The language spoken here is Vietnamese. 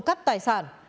trộm cắp tài sản